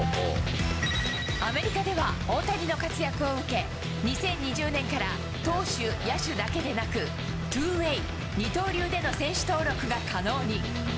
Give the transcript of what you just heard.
アメリカでは大谷の活躍を受け、２０２０年から投手、野手だけでなく、ツーウェイ・二刀流での選手登録が可能に。